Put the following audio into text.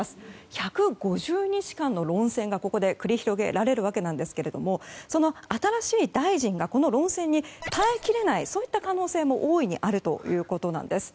１５０日間の論戦がここで繰り広げられるわけですが新しい大臣がこの論戦に耐え切れないそういった可能性も大いにあるということです。